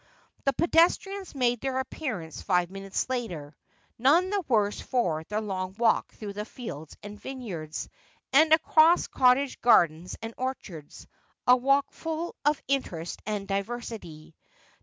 The pedestrians made their appearance five minutes later, none the worse for their long walk through fields and vineyards, and across cottage gardens and orchards, a walk full of interest and diversity.